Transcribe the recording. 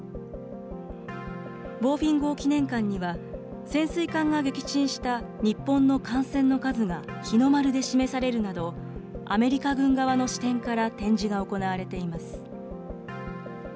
ボーフィン号記念館には、潜水艦が撃沈した日本の艦船の数が日の丸で示されるなど、アメリカ軍側の視点から展示が行われています。